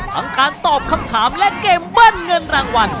การตอบคำถามและเกมเบิ้ลเงินรางวัล